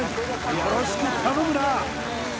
よろしく頼むな！